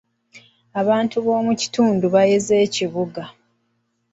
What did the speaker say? Abantu b'omu kitundu baayeze ekibuga.